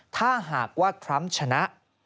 ถ้าหากว่าทรัมป์ชนะ